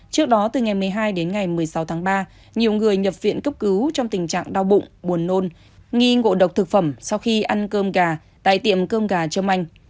trước đó từ ngày một mươi hai đến ngày một mươi sáu tháng ba nhiều người nhập viện cấp cứu trong tình trạng đau bụng buồn nôn nghi ngộ độc thực phẩm sau khi ăn cơm gà tại tiệm cơm gà trơm anh